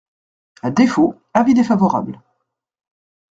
À défaut, avis défavorable.